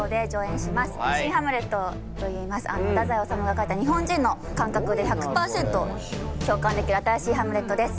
太宰治が書いた日本人の感覚で１００％共感できる新しい『ハムレット』です